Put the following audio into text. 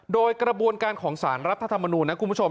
โดยกระบวนการของสารรัฐธรรมนูญนะคุณผู้ชม